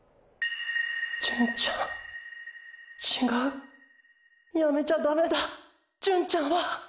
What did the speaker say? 純ちゃんちがうやめちゃダメだ純ちゃんは！！